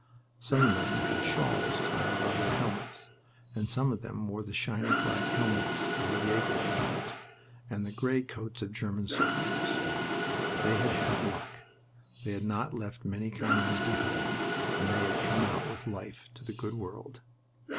Some of them had shawls tied about their helmets, and some of them wore the shiny black helmets of the Jaeger Regiment and the gray coats of German soldiers. They had had luck. They had not left many comrades behind, and they had come out with life to the good world.